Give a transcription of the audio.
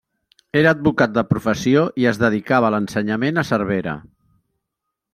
Era advocat de professió i es dedicava a l'ensenyament a Cervera.